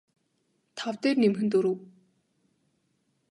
тав дээр нэмэх нь дөрөв